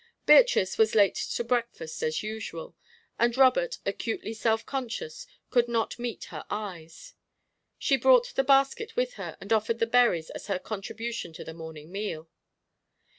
Beatrice was late to breakfast, as usual; and Robert, acutely self conscious, could not meet her eyes. She brought the basket with her and offered the berries as her contribution to the morning meal.